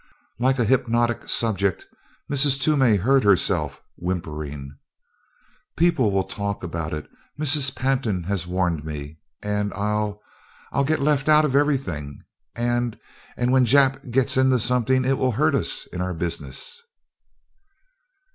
Like a hypnotic subject Mrs. Toomey heard herself whimpering: "People will talk about it Mrs. Pantin has warned me and I'll I'll get left out of everything, and and when Jap gets into something it will hurt us in our business."